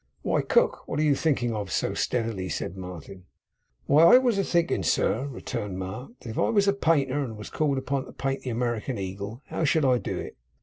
'Why, Cook! what are you thinking of so steadily?' said Martin. 'Why, I was a thinking, sir,' returned Mark, 'that if I was a painter and was called upon to paint the American Eagle, how should I do it?